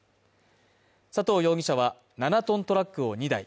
佐藤容疑者は７ｔトラックを２台。